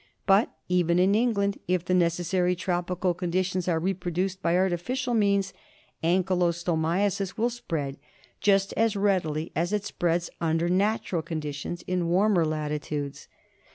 But even in England, if the necessary tropical conditions are reproduced by arti ficial means, Ankylostomiasis will spread just as readily as it spreads under natural conditions in warmer lati tudes.